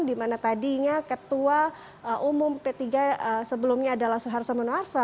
di mana tadinya ketua umum p tiga sebelumnya adalah soeharto monarva